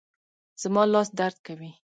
زما لاس درد کوي